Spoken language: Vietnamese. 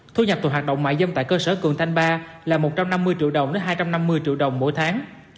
thu nhập từ hoạt động mại dâm tại cơ sở cường thanh ba là một trăm năm mươi triệu đồng đến hai trăm năm mươi triệu đồng mỗi tháng